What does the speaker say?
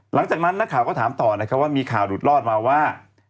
หลังจากนั้นนักข่าวก็ถามต่อนะครับว่ามีข่าวหลุดรอดมาว่า